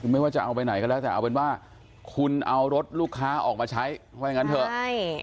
ไม่ว่าจะเอาไปไหนก็แล้วแต่เอาเป็นว่าคุณเอารถลูกค้าออกมาใช้ว่าอย่างนั้นเถอะใช่